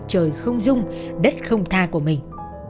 trời không dung đất không tha của mình